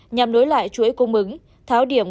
nhằm nối lại chuỗi công ứng tháo điểm